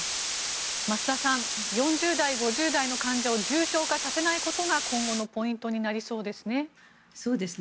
増田さん４０代、５０代の患者を重症化させないことが今後のポイントになりそうですね。